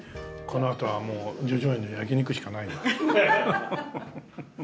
このあとはもう叙々苑の焼き肉しかないな。